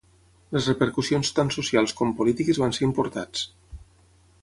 Les repercussions tant socials com polítiques van ser importats.